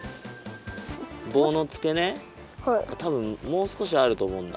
ぼうのつけねたぶんもうすこしあるとおもうんだ。